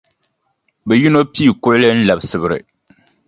Bɛ yino pii kuɣili n-labi Sibiri.